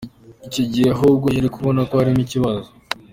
Icyo gihe ahubwo yari kubona ko harimo ikibazo.